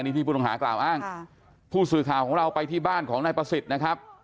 นี่ที่ผู้ต้องหากล่าวอ้างผู้สื่อข่าวของเราไปที่บ้านของนายประสิทธิ์นะครับ